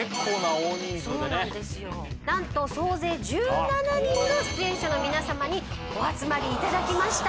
何と総勢１７人の出演者の皆さまにお集まりいただきました。